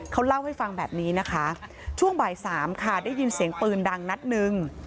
เขาเล่าให้ฟังแบบนี้นะคะช่วงบ่ายสามค่ะได้ยินเสียงปืนดังนัดหนึ่ง